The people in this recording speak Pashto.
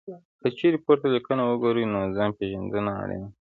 که چېرې پورته لیکنه وګورئ، نو ځان پېژندنه اړینه ده.